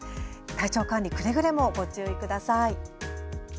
体調管理くれぐれもご注意ください。